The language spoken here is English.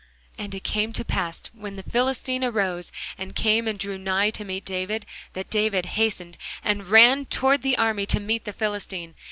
And it came to pass, when the Philistine arose, and came and drew nigh to meet David, that David hasted, and ran toward the army to meet the Philistine.